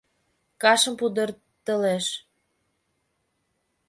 Кашым пудыртылеш.